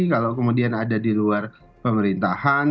kalau kemudian ada di luar pemerintahan